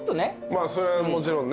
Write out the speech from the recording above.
まあそれはもちろんね。